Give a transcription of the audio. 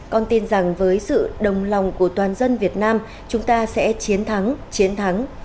con tin rằng với sự đồng lòng của toàn dân việt nam chúng ta sẽ chiến thắng chiến thắng